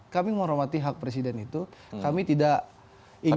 kami menghormati hak presiden itu kami tidak ingin